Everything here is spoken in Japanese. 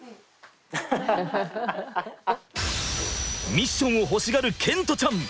ミッションを欲しがる賢澄ちゃん。